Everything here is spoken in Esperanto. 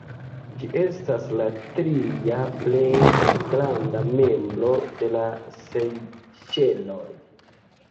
Ĝi estas la tria plej granda membro de la Sejŝeloj.